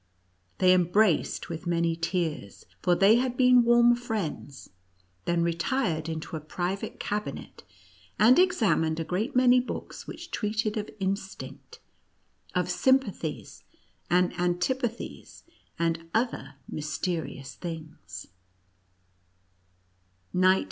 They embraced with many tears, for they had been warm friends, then retired into a private cabinet, and examined a great many books which treated of instinct, of sympathies, and antipathies, and other mysterious things.